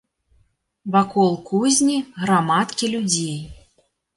Вакол кузні грамадкі людзей.